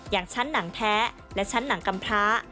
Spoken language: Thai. อย่างชั้นหนังแท้และชั้นหนังกำพร้า